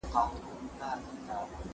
زه پرون کښېناستل کوم؟!